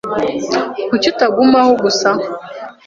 Kuki utagumaho gusa?